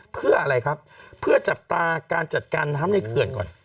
เพื่ออะไรครับเพื่อจับตาการจัดการน้ำในเขื่อนก่อน